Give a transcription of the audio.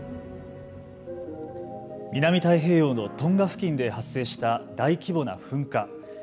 南太平洋のトンガ付近で発生した大規模な噴火。